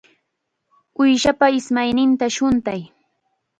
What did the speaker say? Uushapa ismayninta shuntay.